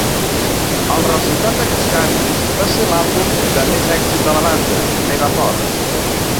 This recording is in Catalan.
El resultat d'aquests canvis va ser l'àlbum de més èxit de la banda, "Mega Force".